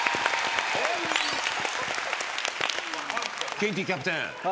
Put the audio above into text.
ケンティーキャプテン